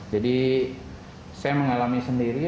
jadi saya mengalami sendiri